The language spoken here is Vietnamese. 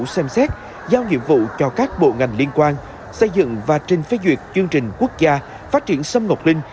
xem xét giao nhiệm vụ cho các bộ ngành liên quan xây dựng và trình phê duyệt chương trình quốc gia phát triển sâm ngọc linh